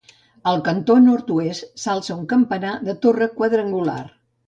Al cantó nord-oest s'alça un campanar de torre quadrangular.